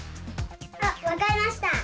あわかりました！